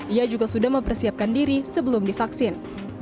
ia juga sudah mempersiapkan diri sebelum divaksin